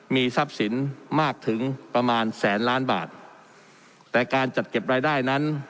มีทรัพย์สินมากถึงประมาณแสนล้านบาทแต่การจัดเก็บรายได้นั้น